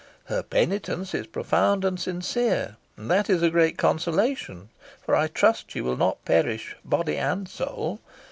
Her penitence is profound and sincere, and that is a great consolation; for I trust she will not perish, body and soul.